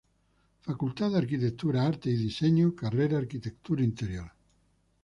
Facultad de Arquitectura, Artes y Diseño, carrera Arquitectura Interior.